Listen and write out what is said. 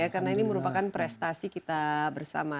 karena ini merupakan prestasi kita bersama